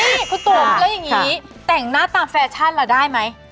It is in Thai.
นี่คุณตุ๋มแล้วอย่างนี้แต่งหน้าตามแฟชั่นล่ะได้ไหม